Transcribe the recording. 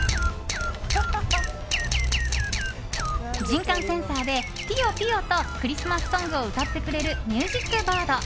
人感センサーでピヨピヨとクリスマスソングを歌ってくれるミュージックバード。